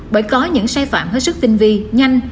bởi có những sai phạm hết sức tinh vi nhanh